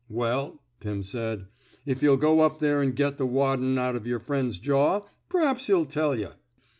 '' Well,'* Pim said, '' if yuh'U go up there an' get the waddin* out of yer friend's jaw, p'raps he'll tell yuh.